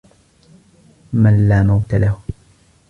مَنْ لَا مَوْتَ لَهُ